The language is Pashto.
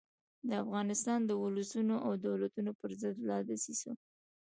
د افغانستان د اولسونو او دولتونو پر ضد له دسیسو.